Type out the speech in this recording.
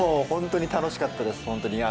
本当に楽しかったです。